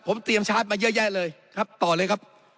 ผมเตรียมชาร์จมาเยอะแยะเลยครับต่อเลยครับ